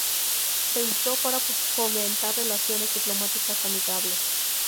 Se usó para fomentar relaciones diplomáticas amigables.